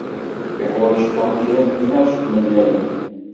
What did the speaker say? Yuḥwaǧ Tom kra n tnac n tmellalin.